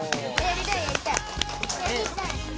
やりたい。